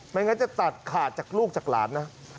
ไม่งั้นจะตัดขาดจากลูกจากหลานนะ